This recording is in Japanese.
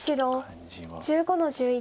白１５の十一。